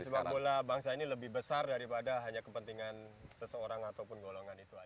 sepak bola bangsa ini lebih besar daripada hanya kepentingan seseorang ataupun golongan itu aja